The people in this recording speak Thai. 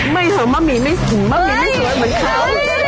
ไม่เถอะหม้ามีไม่สวยเหมือนเค้า